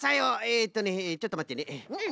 えっとねちょっとまってね。